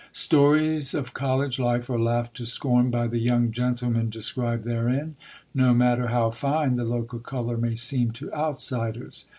Stories of college life are laughed to scorn by the young gentlemen described therein, no matter how fine the local colour may seem to outsiders.